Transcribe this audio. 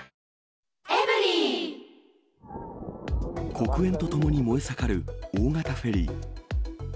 黒煙とともに燃え盛る大型フェリー。